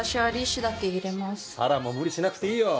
四朗も無理しなくていいよ。